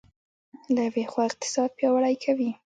له یوې خوا اقتصاد پیاوړی کوي.